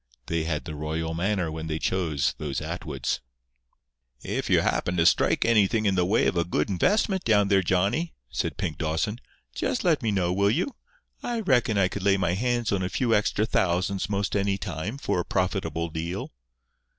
They had the royal manner when they chose, those Atwoods. "If you happen to strike anything in the way of a good investment down there, Johnny," said Pink Dawson, "just let me know, will you? I reckon I could lay my hands on a few extra thousands 'most any time for a profitable deal."